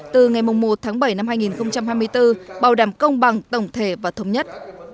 từ ngày một tháng bảy năm hai nghìn hai mươi bốn bảo đảm công bằng tổng thể và thống nhất